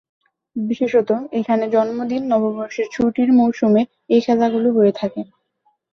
বিশেষতঃ এখানে বড়দিন-নববর্ষের ছুটির মৌসুমে এ খেলাগুলো হয়ে থাকে।